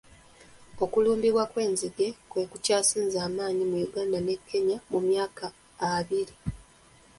Okulumbibwa kw'enzige kwe kukyasinze amannyi mu Uganga ne Kenya mu myaka abiri.